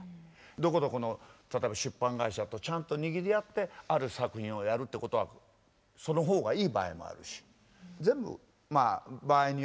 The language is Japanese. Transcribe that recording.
どこどこの例えば出版会社とちゃんと握り合ってある作品をやるってことはその方がいい場合もあるし全部まあ場合によるってことですね。